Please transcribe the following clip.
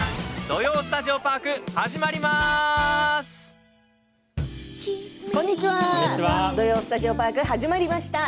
「土曜スタジオパーク」始まりました。